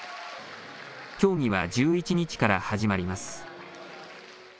競技は１１日から始まります。